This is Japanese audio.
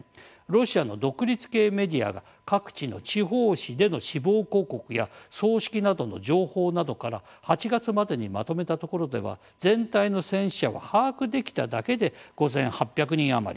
ロシアの独立系メディアが各地の地方紙での死亡広告や葬式などの情報などから８月までにまとめたところでは全体の戦死者は把握できただけで５８００人余り。